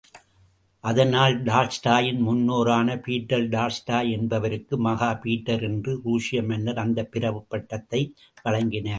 அதனால், டால்ஸ்டாயின் முன்னோரான Peter Tolstoy என்பவருக்கு, மகாபீட்டர் என்ற ருஷ்ய மன்னர் அந்தப் பிரபு பட்டத்தை வழங்கினார்.